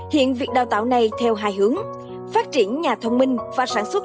hiện việc đào tạo này theo hai hướng phát triển nhà thông minh và sản xuất